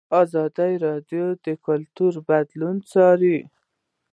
ازادي راډیو د کلتور بدلونونه څارلي.